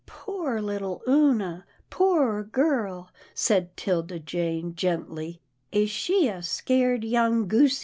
" Poor little Oonah, poor girlie," said 'Tilda Jane, gently, " is she a scared young goosie?